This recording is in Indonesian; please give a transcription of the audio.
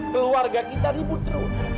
keluarga kita ribut terus